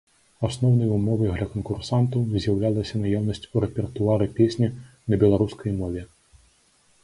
Асноўнай умовай для канкурсантаў з'яўлялася наяўнасць у рэпертуары песні на беларускай мове.